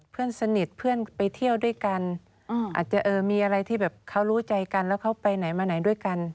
เพื่อนสนิทเพื่อนไปเที่ยวด้วยกันอาจจะเออมีอะไรที่แบบเขารู้ใจกันแล้วเขาไปไหนมาไหนด้วยกัน